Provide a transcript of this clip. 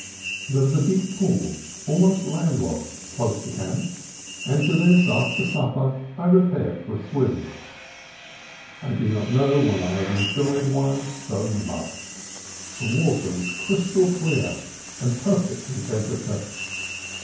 There was a deep pool, almost landlocked, close to camp, and to this, after supper, I repaired for a swim. I do not know when I have enjoyed one so much. The water was crystal clear, and perfect in temperature.